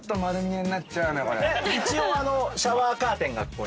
一応シャワーカーテンがここに。